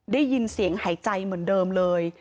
ได้ยินเสียงหายใจเหมือนเดิมเลย